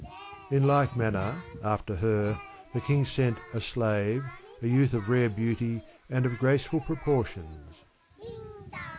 In like manner, after her, the king sent a slave, a. youth of rare beauty and of graceful proportions.